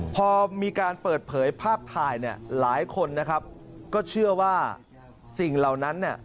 พอมีการเปิดเผยภาพถ่ายหลายคนก็เชื่อว่าสิ่งเหล่านั้น